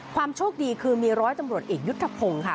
ความโชคดีคือมีร้อยตำรวจเอกยุทธพงศ์ค่ะ